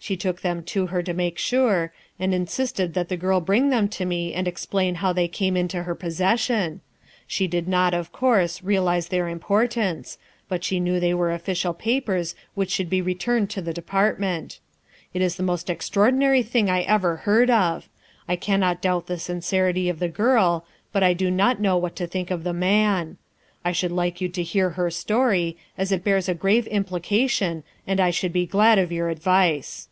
She took them to her to make sure, and insisted that the girl bring them to me and explain how they came into her possession. She did not, of course, realize their importance, but she knew they were official papers which should be returned to the Depart ment. It is the most extraordinary thing I ever heard of. I cannot doubt the sincerity of the girl, but I do not know what to think of the man. I should like you to hear her story, as it bears a grave implication and I should be glad of your advice."